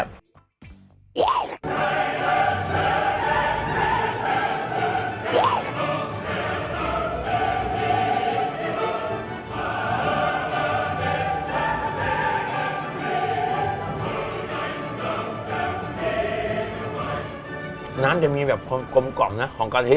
น้ำจะมีแบบกลมนะของกะทิ